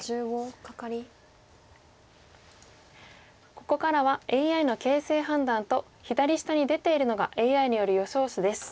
ここからはＡＩの形勢判断と左下に出ているのがＡＩによる予想手です。